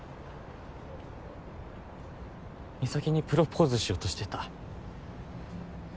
美咲にプロポーズしようとしてた。